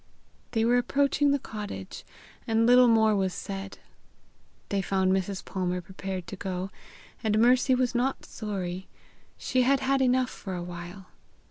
They were approaching the cottage, and little more was said. They found Mrs. Palmer prepared to go, and Mercy was not sorry: she had had enough for a while.